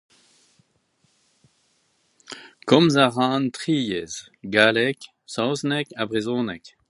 "Komz a ran ""tri"" yezh : galleg, saozneg ha brezhoneg."